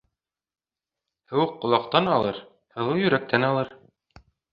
Һыуыҡ ҡолаҡтан алыр, һылыу йөрәктән алыр.